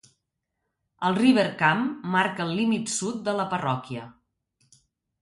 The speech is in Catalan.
El River Cam marca el límit sud de la parròquia.